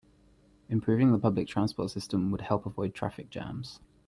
Improving the public transport system would help avoid traffic jams.